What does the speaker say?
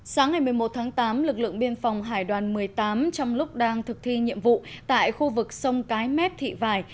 sáng ngày một mươi một tháng tám lực lượng biên phòng hải đoàn một mươi tám trong lúc đang thực thi nhiệm vụ tại khu vực sông cái mép thị vải